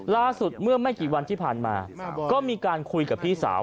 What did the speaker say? ล่าสุดเมื่อไม่กี่วันที่ผ่านมาก็มีการคุยกับพี่สาว